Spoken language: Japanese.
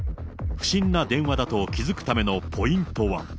不審な電話だと気付くためのポイントは。